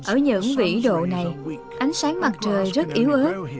ở những vĩ độ này ánh sáng mặt trời rất yếu ớt